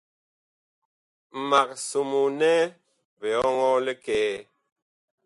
Mag somoo nɛ biɔŋɔɔ likɛɛ.